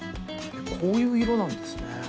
こういう色なんですね。